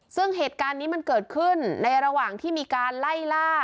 ซึ่งเหตุการณ์นี้มันเกิดขึ้นในระหว่างที่มีการไล่ล่า